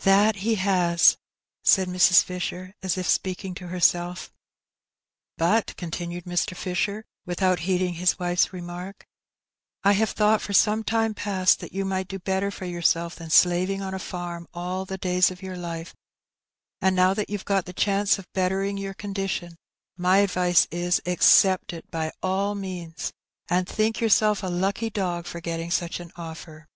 '^ That he has," said Mrs. Fisher, as if speaking to herself. 266 Her Benny. " But,'' continued Mr. Fisher, without heeding his wife's remark, "I have thought for some time past that you might do better for yourself than slaving on a farm all the days of your life; and now that you've got the chance of bettering your condition, my advice is, accept it by all means, and think yourself a lucky dog for getting such an offer."